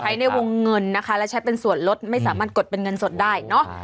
ในวงเงินนะคะและใช้เป็นส่วนลดไม่สามารถกดเป็นเงินสดได้เนอะ